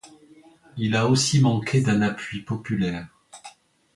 Il a aussi manqué d'un appui populaire.